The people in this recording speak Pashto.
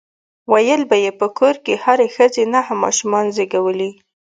ويل به يې په کور کې هرې ښځې نهه ماشومان زيږولي.